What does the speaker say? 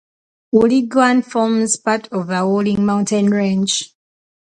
Wulingyuan forms part of the Wuling Mountain Range.